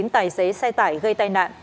tài xế xe tải gây tai nạn